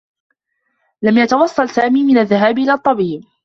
لم يتوصّل سامي من الذّهاب إلى الطّبيب.